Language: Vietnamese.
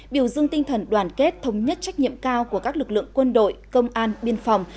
biểu dương tinh thần đoàn kết thống nhất trách nhiệm cao của các lực lượng quân đội công an biên phòng